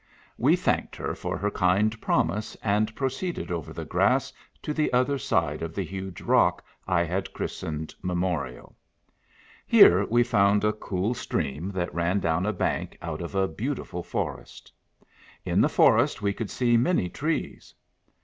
We thanked her for her kind promise, and pro ceeded over the grass to the other side of the huge rock I had christened Memorial. Here we found a THE FEMALE PECCADILLO. cool stream that ran down a bank out of a beautiful forest. In the forest we could see many trees.